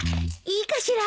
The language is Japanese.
いいかしら？